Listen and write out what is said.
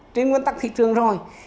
trên nguyên tắc thị trường rồi